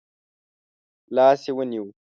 لاس يې ونیو.